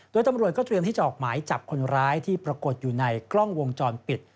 โดยตำรวจก็เตรียมที่จะออกหมายจับคนร้ายที่ปรากฏอยู่ในกล้องวงจรปิด